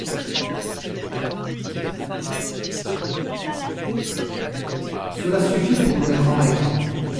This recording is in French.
Cela suffit pour nous mettre en règle.